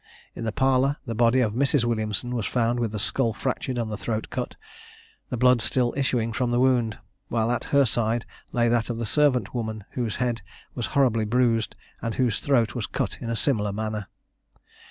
In the parlour, the body of Mrs. Williamson was found with the skull fractured and the throat cut, the blood still issuing from the wound, while at her side lay that of the servant woman, whose head was horribly bruised, and whose throat was cut in a similar manner.